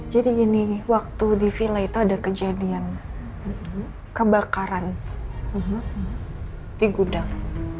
jadi gini waktu di villa itu ada kejadian kebakaran di gudang